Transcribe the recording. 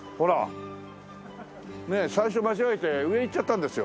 最初間違えて上行っちゃったんですよ。